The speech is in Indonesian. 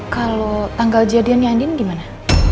kalau tanggal jadiannya andin gimana